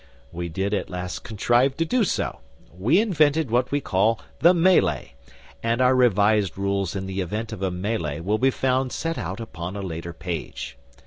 We did at last contrive to do so; we invented what we call the melee, and our revised rules in the event of a melee will be found set out upon a later page.